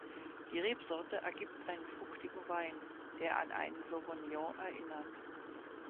Die Rebsorte ergibt einen fruchtigen Wein, der an einen Sauvignon erinnert.